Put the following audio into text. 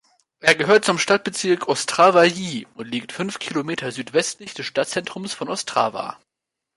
Er gehört zum Stadtbezirk "Ostrava-Jih" und liegt fünf Kilometer südwestlich des Stadtzentrums von Ostrava.